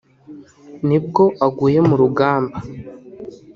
nibwo aguye mu rugamba